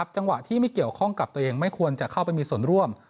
จังหวะที่ไม่เกี่ยวข้องกับตัวเองไม่ควรจะเข้าไปมีส่วนร่วม